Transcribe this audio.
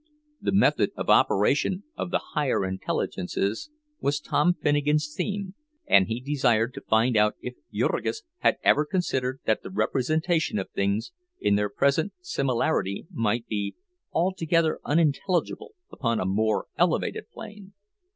The method of operation of the higher intelligences was Tom Finnegan's theme, and he desired to find out if Jurgis had ever considered that the representation of things in their present similarity might be altogether unintelligible upon a more elevated plane.